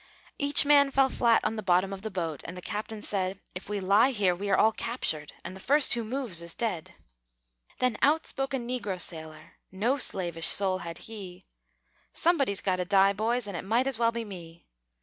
Each man fell flat on the bottom Of the boat; and the captain said: "If we lie here, we all are captured, And the first who moves is dead!" Then out spoke a negro sailor, No slavish soul had he: "Somebody's got to die, boys, And it might as well be me!"